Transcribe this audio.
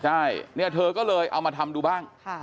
ใช่เนี่ยเธอก็เลยเอามาทำดูบ้าง